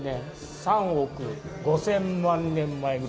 ３億５０００万年前ぐらいですね。